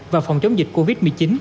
và phòng chống dịch covid một mươi chín